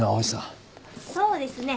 そうですね。